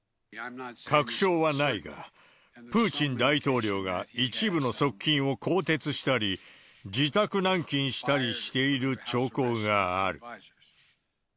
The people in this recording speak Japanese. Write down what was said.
確証はないが、プーチン大統領が一部の側近を更迭したり、自宅軟禁したりしている兆候がある。